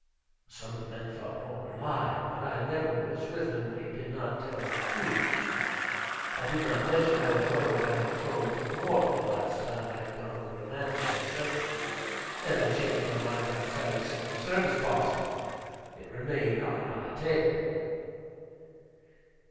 Some of the men thought Norton lied. But I never was with him when he did not tell the truth. I did not mention, however, what I had thrown into the water the last time I had gone over to Manchester. And I changed my mind about Sarah's "secret service" parcel. It remained on my table.